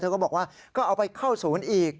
ก็บอกว่าก็เอาไปเข้าศูนย์อีก